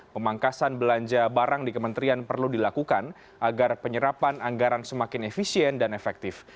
pemangkasan belanja barang di kementerian perlu dilakukan agar penyerapan anggaran semakin efisien dan efektif